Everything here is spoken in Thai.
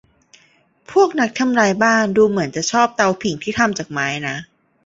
พวกนักทำลายบ้านดูเหมือนจะชอบเตาผิงที่ทำจากไม้นะ